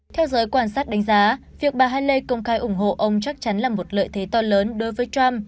theo giới quan sát đánh giá việc bà hanei công khai ủng hộ ông chắc chắn là một lợi thế to lớn đối với trump